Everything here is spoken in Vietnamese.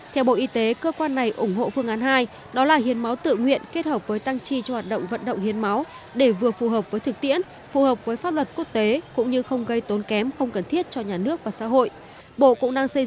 theo bộ y tế cơ quan này ủng hộ phương án hai đó là hiến máu tự nguyện kết hợp với tăng tri cho hoạt động vận động hiến máu để vừa phù hợp với thực tiễn phù hợp với pháp luật quốc tế cũng như không gây tốn kém không cần thiết cho nhà nước và xã hội